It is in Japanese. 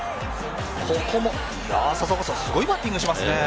ここも佐々岡さん、すごいバッティングしますね。